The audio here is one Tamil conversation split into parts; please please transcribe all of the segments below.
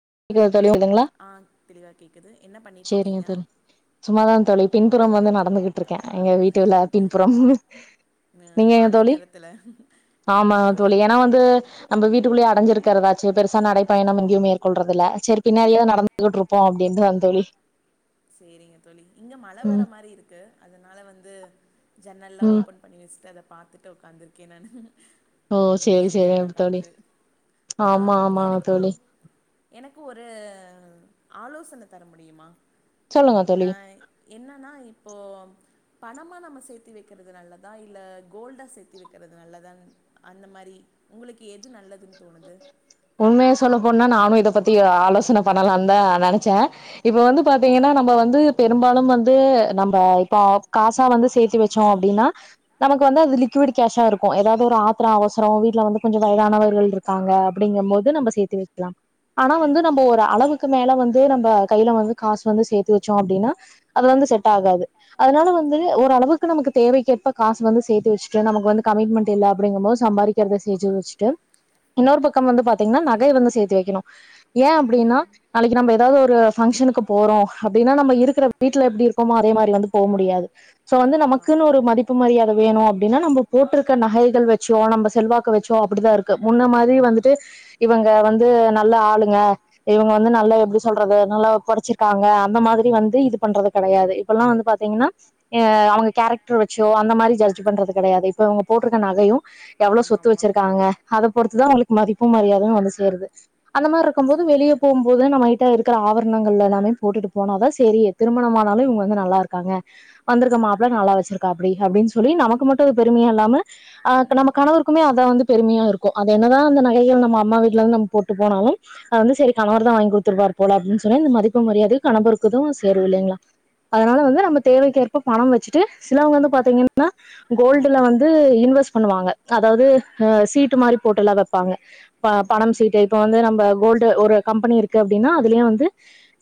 [unintelligible] ஆ தெளிவா கேக்குது என்ன செரிங்க பண்ணிட்ருக்கீங்க தோழி சும்மாதாங் தோழி பின் புறம் வந்து நடந்துகிட்டு ருக்கேன் எங்க வீட்டுல பின்புறம் அ நீங்க மாலை தோழி நேரத்துல நா ஆமா தோழி ஏன்னா வந்து நம்ப வீட்டு வீட்டுக்குள்ளே அடஞ்சிருக்கிறதாச்சு பெருசா நடைபயணம் எங்கயுமே கொல்றதுல்ல செரி பின்னாடியே நடந்துகிட்டு இருப்போம் அப்டின்னு வந்தேன் தோழி செரிங்க தோழி இங்க மழ வர ம் மாரி இருக்கு அதனால வந்து ஜன்னல்லா ம் ஓப்பன் பண்ணி வச்ட்டு அதப் பாத்துட்டு உக்காந்துருக்கேன் நானு ஓ சேரி இயற்கையான சேரிங்க தோழி காற்று ஆமா ஆம் ஆமா எனக்கு ஒ தோழி எனக்கு ஒரு ஆலோசன தர முடியுமா சொல்லுங்க அ தோழி என்னன்னா இப்போ பணமா நம்ம சேத்தி வெக்கிறது நல்லதா இல்ல கோல்டா சேத்தி வெக்கிறது நல்லதா அந்த மாரி உங்களுக்கு எது நல்லதுன்னு தோணுது உண்மய சொல்லப்போனா நானூ இத பத்தி ஆலோசன பண்ணலா தான் நெனச்சேன் இப்ப வந்து பாத்தீங்கன்னா நம்ப வந்து பெரும்பாலும் வந்து நம்ப இப்ப காசா வந்து சேத்தி வச்சோ அப்டின்னா நமக்கு வந்து அது லிக்விட் கேஷா இருக்கூ ஏதாவது ஒரு ஆத்திர அவசரம் வீட்டுல வந்து கொஞ்சம் வயதானவர்கள் இருக்காங்க அப்டிங்க போது நம்ப சேத்தி வெக்கலாம் ஆனா வந்து நம்ப ஒரு அளவுக்கு மேல வந்து நம்ப கைல வந்து காசு வந்து சேத்து வச்சோம் அப்டின்னா அது வந்து செட் ஆகாது அதனால வந்து ஆமாம் ஒரு அளவுக்கு நமக்கு தேவைக்கேற்ப காசு வந்து சேர்த்து வச்ச நமக்கு வந்து கமிட்மென்ட் இல்ல அப்டிங்க போது சம்பாரிக்கிறத சேச்சுவச்சிட்டு இன்னொரு பக்க பக்கம் வந்து பாத்தீங்ன்னா நகை வந்து சேத்து வெக்கணு ஏ ம் அப்டின்னா நாளைக்கி நம்ப ஏதாவது ஒரு பங்க்ஷனுக்கு போறோ அப்டின்னா நம்ம இருக்கிற வீட்டுல எப்படி இருக்கோமோ அதே மாரி வந்து போ முடியாது சோ வந்து ஆமாம் நமக்குன்னு ஒரு மதிப்பு மரியாதை வேணு அப்டின்னா நம்ப போட்டிருக்க நகைகள் வச்சோ நம்ப செல்வாக்க வச்சோ அப்டிதான் இருக்கு முன்ன மாரி வந்துட்டு டு இவங்க வந்து நல்ல ஆளுங்க இவங்க வந்து நல்லா எப்டி சொல்றது நல்லா படிச்சிருக்காங்க அந்த மாதிரி வந்து இது பண்றது கெடையாது இப்பல்லா வந்து பாத்தீங்கன்னா அவங்க கேரக்டர் வச்சோ அந்த மாரி ஜட்ஜ் பண்றது கெடையாது இப்ப இவுங்க போட்டிருக்க நகையும் எவ்வளோ சொத்து ஆமாம்மா வச்சிருக்காங்க அத பொறுத்துதான் ஆவுங்ளுக் மதிப்பும் மரியாதயு வந்து சேருது அந்த கரெக்டா மார்ருக்கும் போது வெளிய சொன்னீங்க போம்போது நம்மகிட்ட இருக் க்குற ஆவரணங்கள் எல்லாமே போட்டுட்டு போனாதா செரி திருமணமானாலு இவுங்க வந்து நல்லா இருக்காங்க வந்துருக்க மாப்ள ம் நல்லா வச்சிருக்காப்டி அப்டின் சொ சொல்லி நமக்கு மட்டு அது பெறுமயா இல்லாம அ நம்ம கணவருக்குமே அத வந்து பெறுமயா இருக்கூ அது என்ன னா அந்த நகைகள் நம்ம அம்மா வீட்டுல இருந்து நம்ம போட்டு போனாலும் அது வந்து செரி கணவர் தான் வாங்கி கொடுத்துருபார் போல அப்டின்னு சொன்ன இந்த மதிப்பு மரியாத கணவருக்குதும் சேரும் இல்லைங்ளா அதனால வந்து நம்ம ஆமாம் தேவைக்கேற்ப பணம் வச்சுட்டு சிலவங்க வந்து பாத்தீங்கன்னா கோல்டுல வந்து இன்வெஸ்ட் பண்ணுவாங்க அதாவ்து சீட்டுமாரிலா போட்டு வெப் ப்பாங்க ப பணம் ஆமாம் சீட்டு இப்ப வந்து நம்ப கோல்டு ஒரு கம்பனி இருக்கு அப்டின்னா அதுலயே வந்து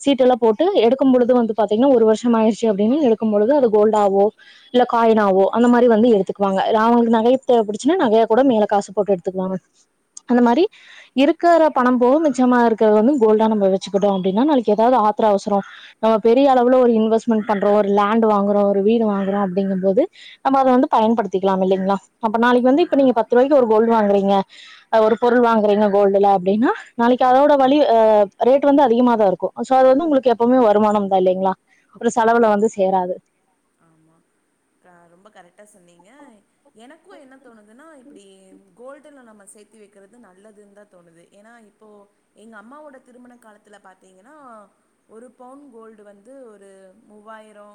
சீட்டுல்லாம் போட்டு எடுக்கும் பொழுது வந்து பாத்தீங்கன்னா ஒரு வருஷம் ஆயிடுச்சு அப்டின்னா எடுக்கும் பொழுது அது கோல்ட ஆவோ இல்ல காயினாவோ அந்த மாரி வந்து எடுத்துக்குவாங்க அவுங்களுக்கு நகை தேவப்பட்டுச்சுன்னா நகையா கூட மேல காசு போட்டு எடுத்துக்குவாங்க அந்த மாரி இருக்கற பணம் போதும் மிச்சமா இருக்குறது வந்து கோல்டா நம்ம வச்சுக்கிட்டோம் அப்டின்னா நாளைக்கு ஏதாது ஆத்ர அவசரம் நம்ம பெரிய அளவுல ஒரு இன்வெஸ்ட்மெண்ட் பண்றோ ஒரு லேண்ட் வாங்குறோ ஒரு வீடு வாங்கறோ அப்டிங்கும் போது நம்ம அத வந்து பயன்படுத்திக்கலாம் இல்லிங்ளா அப்ப நாளைக்கு வந்து இப்ப நீங்க ஆமாம்மாம் பத்து ரூாய்கு ஒரு கோல் வாங்குரீங்க ங்க அ ஒரு பொருள் வாங்குறீங்க கோல்டுல அப்டின்னா நாளைக்கு அதோட வழி ஆஹ் ரேட் வந்து அதிகமா தா இருக்கு சோ அது வந்து உங்களுக்கு எப்பவுமே வருமானம் தா இல்லைங்களா ஒரு செலவுல ஆமா வந்து சேராது ஆமா க ரொம்ப கரெட்டா சொன்னீங்க எனக் கு என்ன தோணுதுனா இப்டி கோல்டுல நம்ம சேத்தி வெக்கிறது நல்லதுன் தா தோணுது ஏன்னா இப்போ எங்க அம்மாவோட திருமண காலத்துல பாத்தீங்கன்னா ஒரு பவுண் கோல்டு வந்து ஒரு மூவாயிரோ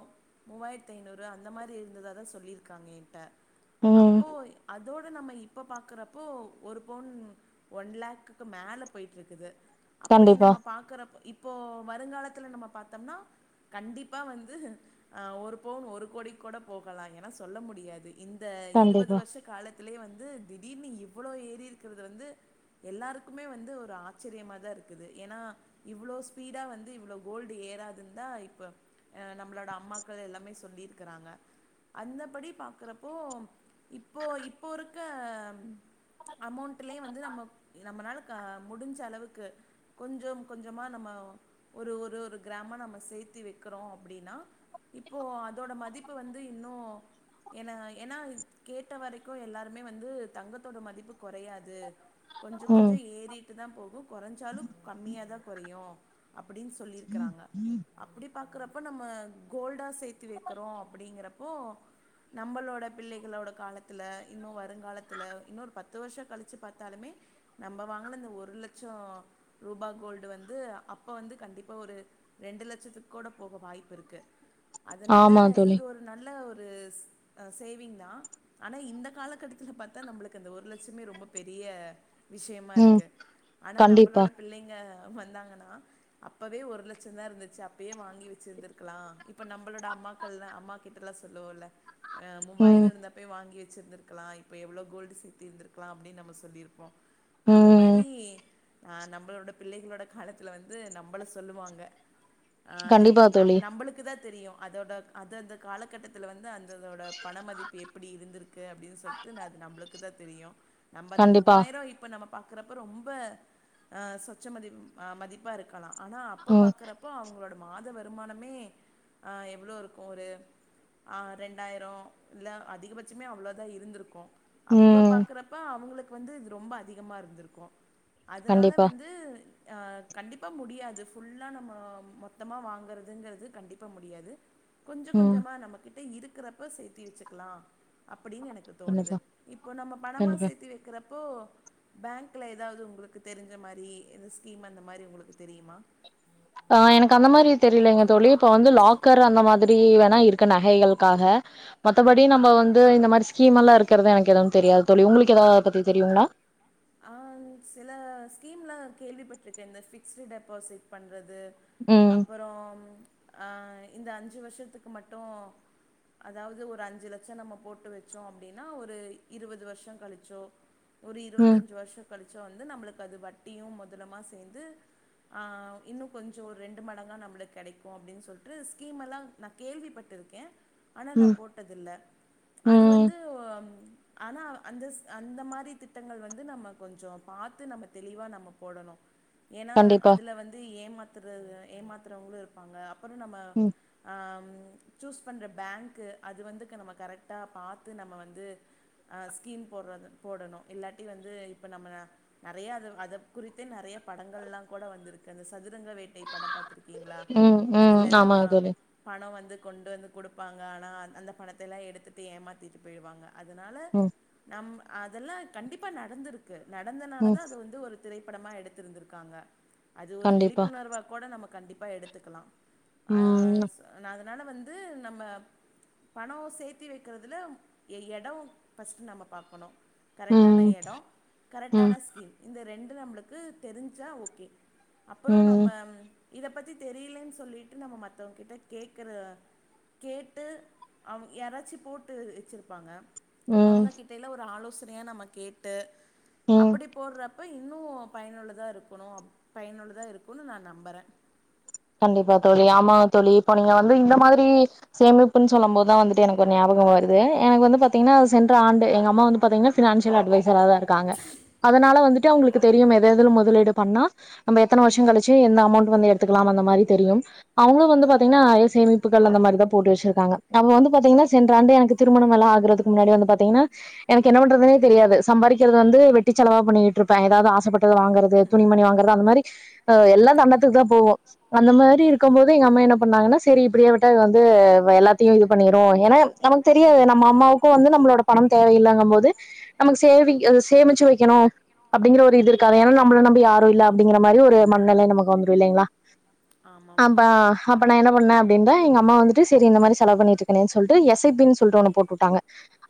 மூவாயிரத்தைநூறு அந்த மாரி இருந்ததா தா சொல்லிருக்காங்க என்ட ம் அப்போ அத் அதோட நம்ம இப்ப பாக்கறப்போ ஒரு பொன் ஒன் லேக்குக்கு மேல போய்ட்ருக்குது அப்படி கண்டிப்பா நம்ம பாக்கறப் இப் ப்போ வருங்காலத்துல நம்ம பாத்தம்னா கண்டிப் பா வந்து அ ஒரு பொவுன் ஒரு கோடிக் கூட போகலா ஏன்னா சொல்ல முடியாது இந்த இருவது கண்டிப்பா வர்ஷ் காலத் இதுலயே வந்து திடீர்னு இவ்வளோ ஏறீர்க்கிறது வந்து எல்லாருக்குமே வந்து ஒரு ஆச்சிரியமாதா இருக்குது ஏனா இவ்ளோ ஸ்பீடா வந்து இவ்ளோ கோல்டு ஏறாதுன்தா இப்ப அ நம்மளோட அம்மாக்கள் எல்லாமே சொல்லிருக்குறாங்க அந்தபடி பாக்கறப்போ இப்போ இப்போ இருக்க அமௌண்ட்டுலே வந்து நம்ம நம்மனால க முடிஞ்ச அளவுக்கு கொஞ்சம் கொஞ்சமா நம்ம ஒரு ஒரு ஒரு கிராம நம்ம சேத்தி வெக் க்கறோ அப்டின்னா இப்போ அதோட மதிப்பு வந்து இன்னு என என்னா கேட்ட வரைக்கு எல்லாருமே வந்து தங்கத்தோட மதிப்பு கொறையாது கொஞ்ச ம் கொஞ்சோ ஏறிட்டு தா போகு கொறஞ்சாலுஞகம்மியாதா கொறையு அப்படின் சொல்லிருக்கறாங்க அப்புடிப் பாக்கறப்ப நம்ம கோல்டா சேத்தி வெக்கறோ அப்படிங்கிறப்போ நம்பளோட பிள்ளைகளோட காலத்துல இன்னு வருங்காலத்துல இன்னொரு பத்து வர்ஷக் கழிச்சு பாத்தாலுமே நம்ப வாங்குனிந்த ஒரு லட்சோ ரூபா கோல்டு வந்து அப்போ வந்து கண்டிப்பா ஒரு ரெண்டு லட்ச் கூட போக வாய்ப்பிருக்கு அதுனால ஆமா தோழி இது ஒரு நல்ல ஒரு ரு ஸ் அ சேவிங் தா ஆனா இந்த காலகட்டத்துல பாத்தா நம்மளுக்கு அந்த ஒரு லட்சமே ரொம்ப பெரிய விஷியமா ம் இருக்கு ஆனா கண்டிப்பா நம்பளோட பிள்ளைங்க வந்தாங்கன்னா அப்பவே ஒரு லட்சந் தா இருந்துச்சு அப் ப்பயே வாங்கி வெச்சிருந்திருக்கலா இப்ப நம்பளோட அம்மாக்கள்ள அம்மா கிட்டல்லா சொல்லுவோல அ மூவாயிர ம் இருந்தப்யே வாங்கிரு ச்சிந்திருக்லா இப்ப எவ்ளோ கோல்டு சித்தி இருந்துர்க்கலா அப்டி நம்ம சொல்லிருப்போ அந்த ம் மாரி ஆஹ் நம்பளோட பிள்ளைகளோட காலத்துல வந்து நம்பள சொல்லுவாங்க ஆ கண்டிப்பா நம் தோழி நம்பளுக்கு தான் தெரியு அதோட அது அந்த காலகட்டத்துல வந்து அந்ததோட பண மதிப்பு எப்பிடி இருந்திருக்கு அப்டின்னு சொல்லிட்டு நா அது நம்பளுக்கு தா தெரியு நம்பந்த கண்டிப்பா மூவாயரோ இப்ப நம்ம பாக்கறப்ப ரொம்ப அ சொச்ச மதிப் அ மதிப்பா இருக்கலா ஆனா அப்ப ம் பாக்குறப்போ அவுங்களோட மாத வருமானமே அ எவ்ளோ இருக்கு ஒரு அ ரெண்டாயிரோ இல்ல அதிகபட்சமே அவ்ளோதா இருந்திருக்கு அப்ப ம் பாக்குறப்ப அவுங்களுக் கு வந்து இது ரொம்ப அதிகமா இருந்திருக்கு அதுனால கண்டிப்பா வந்து ஆ கண்டிப்பா முடியாது ஃபுல்லா நம்ம மொ த்தமா வாங்குறதுங்கிறது கண்டிப்பா முடியாது கொஞ்ச ம் கொஞ்சமா நமக்கு தேய் இருக்கிறப்ப சேர்த்தி வச்சுக்கலா அப் அப்படின் எனக்கு தோணுது கண்டிப்பா இப்போ நம்ம பணமா கண்டிப்பா சேர்த்து வெக்கிற ஓ பேங்க்ல எதாவுது உங்குளுக்கு தெரிஞ்ச மாதிரி எந்த ஸ்கீம் அந்த மாரி உங்குளுக்கு தெரியுமா ஆ எனக்கு அந்த மாரி தெரிலிங்க தோழி இப்ப வந்து லாக்கர் அந்த மாதிரி வேணா இருக்கு நகைகள்க்காக மத்தபடி நம்ப வந்து இந்த மாரி ஸ்கீம் எல்லா இருக்கறத எனக்கு எதுவு தெரியாது தோழி உங்குளுக்கு எதா அத பத்தி தெரியுங்களா ஆ சில ஸ்கீம்ல கேள்விப்பட்டு எந்த ஃபிக்ஸட் டெபாசிட் பண் பிரதர் ம் அப்புறோ ஆ இந்த அஞ்சு வர்ஷத்துக்கு மட்டோ அதாவது ஒரு அஞ்சு லட்சம் நம்ம போட்டு வச்சோ அப்டினா ஒரு இருவது வர்ஷோ கழிச்சோ ம் தஞ்சு வர்ஷோ கழிச்சோ வந்து நம்பளுக்கு அது வட்டியு மொதலம்மா சேந்து ஆ இன்னு கொஞ்சோ ஒரு ரெண்டு மடங்கா நம்ளுக்கு கெடைக்கோ அப்டின் சொல்ட்டு ஸ்கீம் எல்லா நா கேள்விப்பட்டிருக்கே ஆனா நா ம் போட்டதில்ல அது ம் வந்து ஒ அம் ஆனா அந்தஸ் அந்த மாரி திட்டங்கள் வ து நம்ம கொஞ்சோ பாத்து நம்ம தெளிவா நம்ம போடணு ஏனா கண்டிப்பா அதுல வந்து ஏமாத் த்துறவுக ஏமாத்துறவுங்களும் இருப்பாங்க அப் புறம் நம்ம ம் ஆம் சூஸ் பண்ற பேங்க்கு அது வந்துக்க நம்ம கரெக்டா பாத்து நம்ம வந்து ஆ ஸ்கீம் போட்றது போடணு இல்லா இத் வந்து இப்ப நம்ம நெறைய அதுவு அத குறித்தே நெறைய படங்கள்லா கூட வந்திருக்கு அந்த சதுரங்க வேட்டை படம் பாத்திருக்கீங்ளா ம் ம் அதுலெல்லா ஆமாங்க தோழி பணம் வந்து கொண்டு வந்து குடுப்பாங்க ஆனா அ அந்த பணத்தைலா எடுத்துட்டு ஏமாத்திட் போயிடுவாங்க அதுனால ம் நம்ம அதெல்லா கண்டிப்பா நடந்துரு க ம் நடந்தனாலதா அது வந்து ஒரு திரைப்படமா எடுத்திருந்திருக்காங்க அது ஒரு கண்டிப்பா விழிப்புணர்வா கூட நமக் கண்டிப்பா எடுத்துக்கலா‌ ஆ ம் ம் நா னால வந்து நம்ம பணோ சேத்தி வெக்கிறதிலவு எ எடம் ஃபர்ஸ்ட்டு நம்ம பாக்கணு கரெக்டான எடோ ம் கரெக்டான ம் ஸ்கீம் இந்த ரெண் துல நம்ளுக்கு தெரிஞ்சா ஓகே அப்புறோ நம்ம ம் இத பத்தி தெரியிலின் சொல்லிட்டு நம்ம மத்தவுங் கிட்ட கேக்கற கேட்டு அவு யாராச்சி போட்டு இ வச்சுருப்பாங்க அவுங்க கிட்டேலா ஒரு ஆலோ திரியு நம்ம கேட்டு ம் அப்பிடி போட்ற ஓய் இன்னு பயனுள்ளதா இருக்குணு அப் பயனுள்ளதா இருக்குன் நா நம்பறே கண்டிப்பா தோழி ஆமா தோழி இப்ப நீங்க வந்து இந்த மாதிரி சேமிப்புன் சொல்லம் போதுதா வந்துட்டு எனக்கு ஒரு ஞாபகம் வருது எனக்கு வந்து பாத்தீங்கனா அது சென்ற ஆண்டு எங்க அம்மா வந்து பாத்தீங்கனா ஃபினான்சியல் அட்வைஸ் சரதா இருக்காங்க அதனால வந்துட் டே அவுங்குளுக்கு தெரியுமே எத எதல முதலீடு பண்ணா நம்ப எத்தன வர்ஷோ கழிச்சு என்ன அமௌண்ட் வந்து எடுத் லாம் அந்த மாரி தெரியும் அவுங்குளு வந்து பாத்தீங்னா எ சேமிப்புகள் அந்த மாரிதா போட்டு வச்சிர்க்காங்க அவுங்க வந்து பாத்தீங்னா சென்ற ஆண்டே எனக்கு திருமணம் எல்லா ஆகுறதுக்கு முன்னாடி வந்து பாத்தீங்கனா எனக்கு என்ன பண்றதுனே தெரியாது சம்பாதிக்கிறது வந்து வெட்டி செலவா பண்ணியிட்டுருப்பே எதாது ஆசப்பட்டது வாங்குறது துணிமணி வாங்கறது அந்த மாரி ஆ எல்லா தண்டத்துக்குதா போவோ அந்த மாரி இருக்கம் போது எங்க அம்மா என்ன பண்ணாங்கனா செரி இப்பிடியே விட்டா இவ வந்து வ எல்லாத்தியு இது பண்ணிரோ ஏனா எம் நமக்கு தெரியவே நம்ம அம்மாவுக்கோ வந்து நம்ளோட பணம் தேவையில்லங்க போது நமக்கு சேவிங் அது சேமிச்சு வெக்கணோ அப்டிங்கிற ஒரு இது இருக்காது ஏனா நம்பள நம்பி யாரு இல்ல அப்டிங்கிற மாரி ஒரு மன்நிலை நமக்கு வந்துரு இல்லைங்ளா ஆமாம் அம்பா அப்ப நா என்ன பண்ணே டிந்தா எங்க அம்மா வந்துட்டு செரி இந்த மாரி செலவு பண்ணிட்டுருக்கனேன் சொல்ட்டு எஸ் ஐ பி ன் சொல்ற ஒன்ன போட்டுட்டாங்க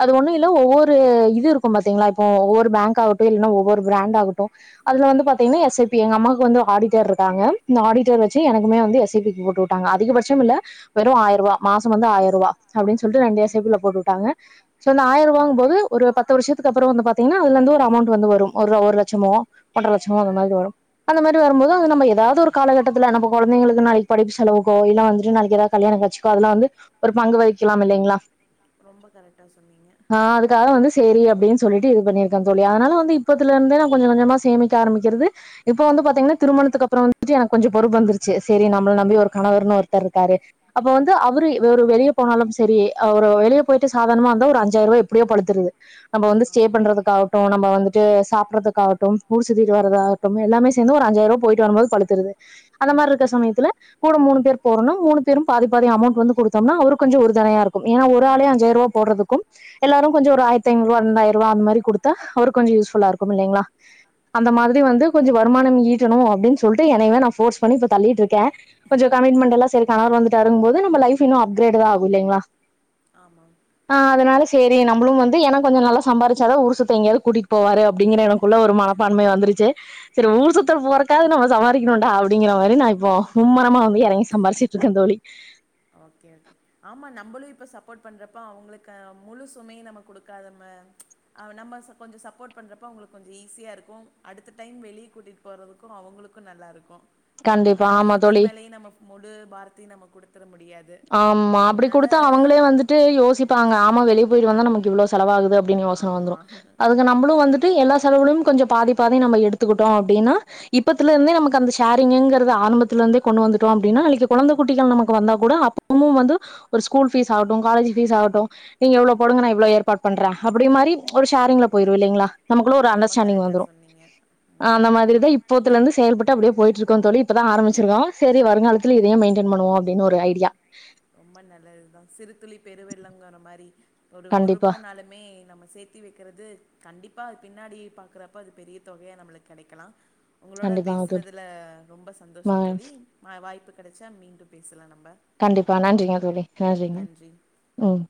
அது ஒண்ணு இல்ல ஒவ்வொரு இது இருக்கோ பாத்திங்ளா இப்போ ஒவ்வொரு பேங்க்கா ஆகட்டோ இல்லன ஒவ்வொரு பிராண்ட்டா ஆகட்டோ அதுல வந்து பாத்தீங்னா எஸ் ஐ பி எங்க அம்மாக்கு வந்துரோ ஆடிட்டர் இர்க்காங்க இந்த ஆடிட்டர் வச்சு எனக்குமே வந்து எஸ் ஐ பி கு போட்டுட்டாங்க அதிகபட்சம் இல்ல வெறும் ஆயர்ரூவா மாசம் வந்து ஆயர்ரூவா அப்டின் சொல்ட்டு ரெண்டு எஸ் ஐ பி ல ம் போட்டுட்டாங்க சொ இந்த ஆயர்ரூவாங்க போது ஒரு பத்து வருஷத்துக்கு அப்பறோ வந்து பாத்திங்னா அதுலந்து ஒரு அமௌண்ட் வந்து வரும் ஒர்ரா ஒர் லட்சமோ ஒன்ட்டற லட்சமோ அந்த மாரி வரும் அந்த மாரி வரும்போது ஆமாம் அத நம்ப ஏதாவுது ஒரு காலகட்டத்துல நம்ம கொழந்தைங்களுக்கு நாளக்கி படிப்பு செலவுக்கோ இல்ல வந்துட்டு நாளக்கி எதா கல்யாண காட்ச்சிக்கோ அதுல வந்து ஒரு பங்கு வகிக்கலாம் இல்லைங்ளா ரொம்ப கரெக்டா சொன்னீங்க சேரி அப்டின் சொல்லிட்டு இது பண்ணிருக்க தோழி அதனால வந்து இப்புத்துலந்தே நா கொஞ்ச கொஞ்சமா சேமிக்க ஆரம்பிக்கிறது இப்ப வந்து பாத்தீங்னா திருமணத்துக்கு அப்புறோ வந்து புச்சு எனக்கு கொஞ்சோ பொறுப் வந்துருச்சு செரி நம்பள நம்பி ஒரு கணவர்னு ஒர்தரிக்காரு அப்ப வந்து அவரு எ ஒரு வெளிய போனாலும் செரி அவரு ஒ வெளிய போயிட்டு சாதானமா வந்தா ஒரு அஞ்சாயிரூவா எப்புடியோ பழுத்துறுது நம்ப வந்து ஸ்டே ஆமா பண்றதுக்காவட்டோ நம்ப வந்துட்டு சாப்பற்துக்காகட்டு ஊர் சுத்திட்டு வரதாகட்டு எல்லாமே சேந்து ஒரு அஞ்சாயிரூவா போயிட்டு வரும்போது பழு திறது அந்த மார்ரிக்கற சமயத்துல கூட மூணு பேர் போறனு மூணு பேரும் பாதி பாதி அமௌண்ட் வந்து குடுத்தோம்னா அவருக் கொஞ்சோ உறுதொனையா இருக்கும் ஏனா ஒரு ஆளே ம் அஞ்சாயிரூவா போட்றதுக்கும் எல்லாரு கொஞ்சோ ஒரு ஆயிரத்தி ஐநூரூவா இரண்டாயிரூவா அந்த மாரி குடுத்தா அவருக் கொஞ்சோ யூஸ்ஃபுல்லா இருக்கும் இல்லைங்ளா அந்த ஆமாம் மாதிரி வந்து கொஞ்சோ வருமானம் ஈ ட்டனோ அப்டின் சொல் ட்ரி என்னையவே நா ஃபோர்ஸ் பண்ணி இப்ப தள்ளீட்டுருக்கே கொஞ்சோ கமிட்மெண்ட்டெல்லா செரி கணவர் வந்துட்டாருங் போது து நம்ப லைஃப் இன்னு அப்கிரேட்தா ஆகு இல்லிங்ளா ஆமாம் ஆ அதுனால செரி நம்புளு வந்து ஏனா கொஞ்சோ நல்லா சம்பாரிச்சாதா ஊரு சுத்த எங்யாது கூட்டிட்டு போவாரு ப்டிங்கிற எனக்குள்ள ஒரு மனப்பான்மை வந்துருச்சே செரி ஊர் சுத்து போறத்காவுது நம்ம சம்பாரி தீக்னோன்டா அப்டிங்கிற மாரி நா இப்போ மும்மரமா வ இறங்கி சம்பார்ச்சிட் டுருக்கந்தோழி க சப்போர்ட் பண்றப்ப அவுங்ளே க முழு சுமை நமக் கொடுக்காத மா ச்ச அவ நம்ம ச கொஞ்சோ சப்போர்ட் பண்றப்ப அவுங்குளுக்கு கொஞ்சோ ஈஸியா இருக்கோ அடுத்த டைம் வெளி கூட்டிட் போறதுக்கோ அவுங்குளுக்கு நல்லா இருக்கோ கண்டிப்பா ஏனா ஆமா ஒர்தர் தோழி மேலையே நம்ம முழு பாரத்தையு நம்ம குடு ஆமா அப்டி குடுத்தா அவுங்களே வந்துட்டு யோசிப்பாங்க ஆமா வெளிய போயிடு வந்தா நமக்கு இவ்ளோ செலவாகுது அப்டின்னு யோசன வந்துரு ஆமா அதுக்கு நம்மளு வந்துட்டு எல்லா செலவுகளயு கொஞ்ச பாதி பாதி நம்ம எடுத்துக்கிட்டோ அப்டின்னா இப்பத்துலந்தே நமக்கு அந்த ஷேரீங்கிறத ஆரம்பத்துல இருந்தே கொண்டு வந்துட்டோ அப்டினா நாளைக்கு கொழந்த குட்டிகள் வந்தா கூட அப் தினமும் வந்து ஒரு ஸ்கூல் பீஸ் ஆகட்டு காலேஜ் பீஸ் ஆகட்டு நீங்க இவ்ளோ போடுங்க நா இவ்வளோ ஏற்பாடு பண்றே அப்டி மாரி ஒரு ஷேரிங்ல ஆமா போயிரு இல்லைங்களா நமக்குள்ள ஒரு ரொம்ப அண்டர்ஸ்டாண்டிங் கரெக்டா வந்துரு சொன்னீங்க ஆ ம் அந்த மாதிரிதா இப்போத்துலருந்து செயல்பட் டு அப்டியே போயிட்ருக்கோ தோழி இப்பதா ஆரம்பச்சிருக்கோ சரி வருங்காலத்தில இதையே மெயின்டென் பண்ணுவோ அப்டினு ஒரு ஐடியா ரொம்ப நல்லதுதா சிறுதுளி பெருவெள்ளம்ங்கிற மாரி ஒரு ஒரு கண்டிப்பா. ரூபா நாலுமே நம்ம சேத்தி வைக்கிறது கண்டிப் இப்ப அது பின்னாடி பாக்குறப்ப அது பெரிய தொகையா நம்மளுக்கு கெடைக்கலா உங்களோட கண்டிப்பாங்க தோழி பேசனதுல ரொம்ப ம சந்தோஷம் தோழி வா வாய்ப்பு கெடைச்சா மீண்டும் பேசலா நம்ம கண்டிப்பா நன்றிங்க தோழி நன்றிங்க ம்